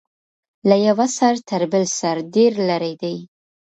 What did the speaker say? له یوه سر تر بل سر ډیر لرې دی.